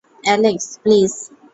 Alex, please!